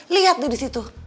liat deh disitu